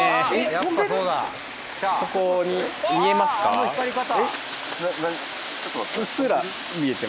あの光り方。